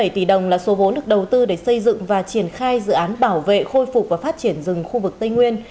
tám chín trăm hai mươi bảy tỷ đồng là số vốn được đầu tư để xây dựng và triển khai dự án bảo vệ khôi phục và phát triển rừng khu vực tây nguyên